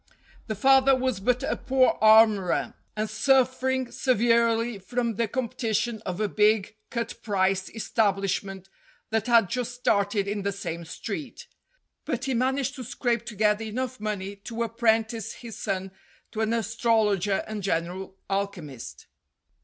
The father was but a poor armorer, and suffering severely from the competition of a big cut price estab lishment that had just started in the same street. But he managed to scrape together enough money to ap prentice his son to an astrologer and general alchemist.